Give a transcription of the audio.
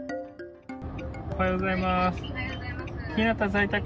おはようございます。